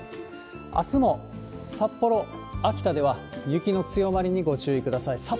あすも札幌、秋田では雪の強まりにご注意ください。